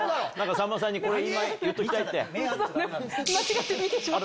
さんまさんに言っときたいって。